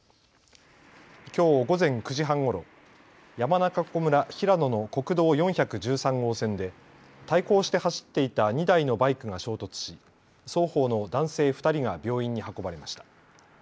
きょう午前９時半ごろ、山中湖村平野の国道４１３号線で対向して走っていた２台のバイクが衝突し双方の男性２人が病院に運ばれました。